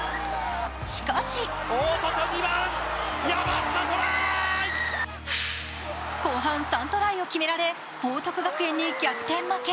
しかし後半３トライを決められ報徳学園に逆転負け